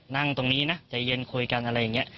นั่งตรงนี้นะใจเย็นคุยกันอะไรอย่างนี้